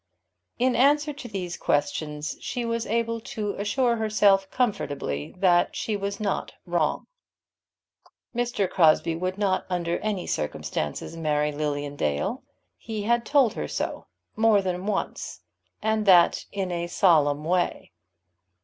In answer to these questions she was able to assure herself comfortably that she was not wrong. Mr. Crosbie would not, under any circumstances, marry Lilian Dale. He had told her so more than once, and that in a solemn way.